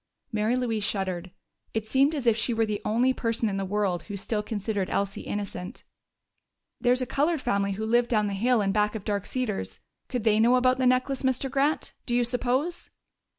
Mary Louise shuddered: it seemed as if she were the only person in the world who still considered Elsie innocent. "There's a colored family who live down the hill in back of Dark Cedars. Could they know about the necklace, Mr. Grant, do you suppose?"